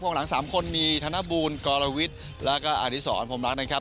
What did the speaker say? ข้องหลัง๓คนมีธนบูลกอลลาวิทและอาทิสรผมรักนะครับ